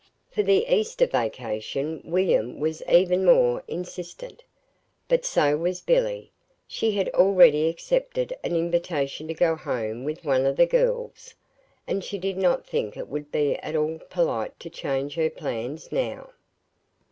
For the Easter vacation William was even more insistent but so was Billy: she had already accepted an invitation to go home with one of the girls, and she did not think it would be at all polite to change her plans now.